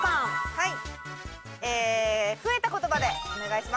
はい。